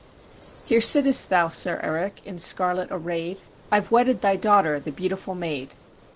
"Here sitt'st thou, Sir Erik, in scarlet array'd; I've wedded thy daughter, the beautiful maid."